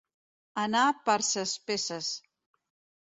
Anar per ses peces.